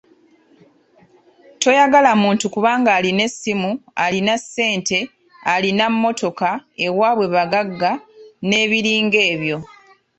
Toyagala muntu kubanga alina essimu, alina ssente, alina mmotoka, ewaabwe bagagga n'ebiringa ebyo.